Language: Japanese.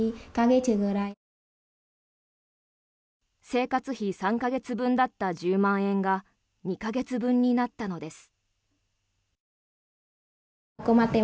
生活費３か月分だった１０万円が２か月分になったのです。